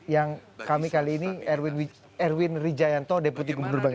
yang kami kali ini erwin rijayanto deputi gubernur bank indonesia